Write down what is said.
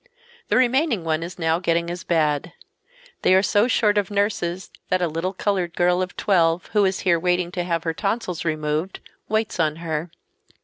The remaining one is now getting as bad. They are so short of nurses that a little colored girl of twelve, who is here waiting to have her tonsils removed, waits on her.